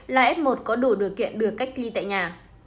là f một có đủ điều kiện được cách ly tại nhà